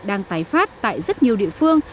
đang tái phát tại rất nhiều địa phương